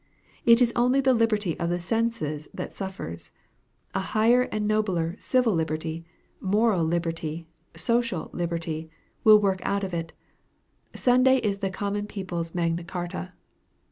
It is only the liberty of the senses that suffers. A higher and nobler civil liberty, moral liberty, social liberty, will work out of it. Sunday is the common people's Magna Charta."